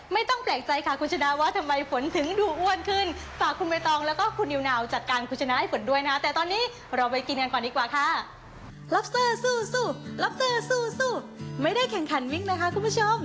ไม่ได้แข่งขันวิ่งนะคะคุณผู้ชม